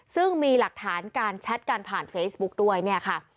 ซึ่งมีหลักฐานการแชทกันผ่านเฟซบุ๊กด้วยเนี่ยค่ะ